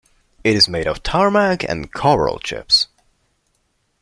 It is made of tarmac and coral chips.